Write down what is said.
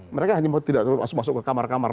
mereka hanya tidak masuk ke kamar kamar